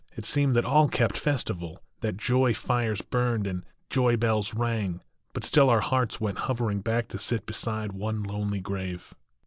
It seemed that all kept festival, That joy fires burned and joy bells rang ; But still our hearts went hovering back To sit beside one lonely grave.